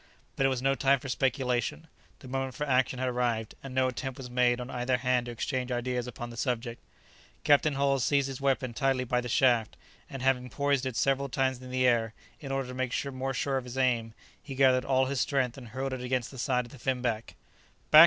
But it was no time for speculation; the moment for action had arrived, and no attempt was made on either hand to exchange ideas upon the subject. Captain Hull seized his weapon tightly by the shaft, and having poised it several times in the air, in order to make more sure of his aim, he gathered all his strength and hurled it against the side of the finback.